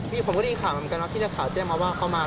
ผมก็ได้ยินข่าวเหมือนกันว่าพี่นักข่าวแจ้งมาว่าเขามา